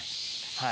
はい。